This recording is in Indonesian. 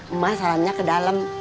emak salamnya ke dalam